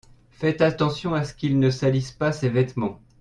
Faites attention à ce qu'il ne salisse pas ses vêtements.